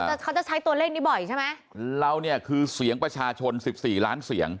เขาจะเขาจะใช้ตัวเลขนี้บ่อยใช่ไหมเราเนี่ยคือเสียงประชาชนสิบสี่ล้านเสียง